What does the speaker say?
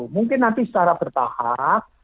mungkin nanti secara bertahap